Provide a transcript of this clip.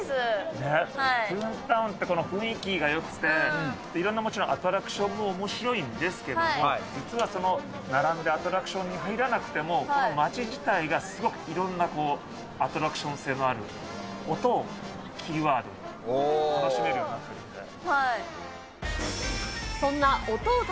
この雰囲気がよくて、いろんなもちろんアトラクションもおもしろいんですけれども、実は、並んでアトラクションに入らなくても、この街自体がすごく、いろんなアトラクション性のある、音をキーワードに楽しめるようになっているので。